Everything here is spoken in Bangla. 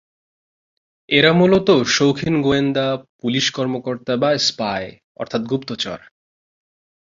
এরা মূলত শৌখিন গোয়েন্দা, পুলিশ কর্মকর্তা বা স্পাই অর্থাৎ গুপ্তচর।